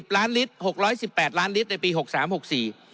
๖๑๐ล้านลิตร๖๑๘ล้านลิตรในปี๖๓๖๔